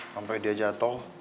sampai dia jatoh